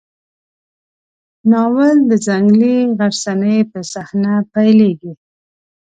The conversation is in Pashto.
ناول د ځنګلي غرڅنۍ په صحنه پیلېږي.